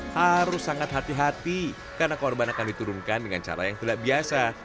harus sangat hati hati karena korban akan diturunkan dengan cara yang tidak biasa